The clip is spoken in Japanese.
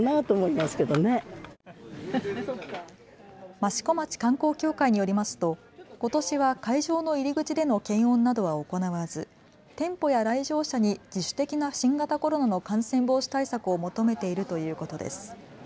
益子町観光協会によりますとことしは会場の入り口での検温などは行わず店舗や来場者に自主的な新型コロナの感染防止対策を求めているということです。